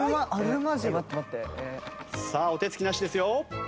さあお手つきなしですよ。